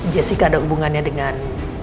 jessica ada hubungannya dengan